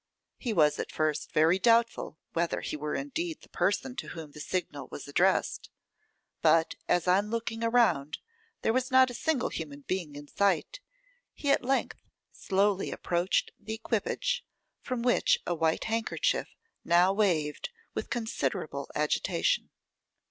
He was at first very doubtful whether he were indeed the person to whom the signal was addressed, but as on looking around there was not a single human being in sight, he at length slowly approached the equipage, from which a white handkerchief now waved with considerable agitation.